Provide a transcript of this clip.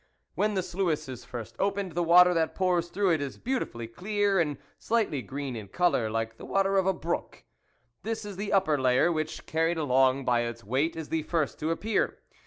When the sluice is first opened, the water that pours through is beautifully clear, and slightly green in colour, like the water of a brook ; this is the upper layer, which, carried along by its weight, is the first to appear.